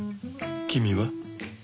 君は？